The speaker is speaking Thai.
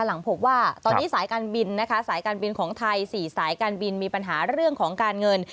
หลังพบว่าตอนนี้สายการบินนะคะสายการบินของไทย๔สายการบินมีปัญหาเรื่องของการเงิน